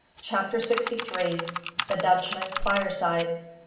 CHAPTER SIXTY THREE. "THE DUTCHMAN'S FIRESIDE."